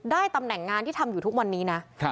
ตำแหน่งงานที่ทำอยู่ทุกวันนี้นะ